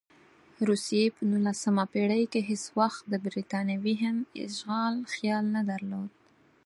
روسیې په نولسمه پېړۍ کې هېڅ وخت د برټانوي هند اشغال خیال نه درلود.